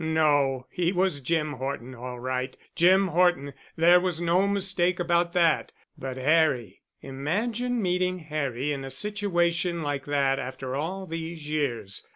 No. He was Jim Horton, all right—Jim Horton. There was no mistake about that. But Harry! Imagine meeting Harry in a situation like that after all these years!